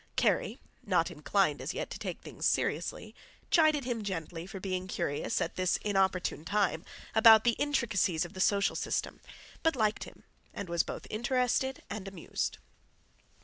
Kerry, not inclined as yet to take things seriously, chided him gently for being curious at this inopportune time about the intricacies of the social system, but liked him and was both interested and amused.